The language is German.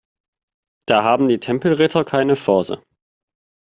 Da haben die Tempelritter keine Chance.